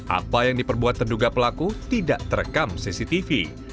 apa yang diperbuat terduga pelaku tidak terekam cctv